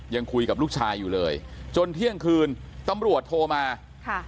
ยังคุยกับลูกชายอยู่เลยจนเที่ยงคืนตำรวจโทรมาค่ะ